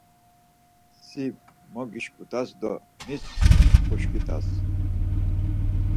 Si mo gişǩut̆as do mis uşǩut̆as.